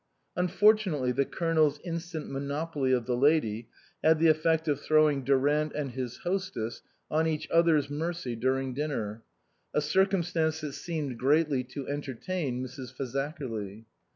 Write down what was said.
Unfortunately the Colonel's instant monopoly of the lady had the effect of throwing Durant and his hostess on each other's mercy during dinner, a circumstance that seemed greatly to entertain Mrs. Fazakerly.